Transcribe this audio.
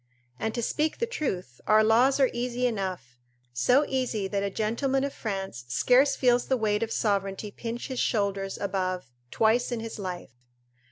And, to speak the truth, our laws are easy enough, so easy that a gentleman of France scarce feels the weight of sovereignty pinch his shoulders above twice in his life.